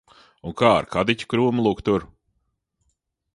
Un kā ar kadiķa krūmu lūk tur?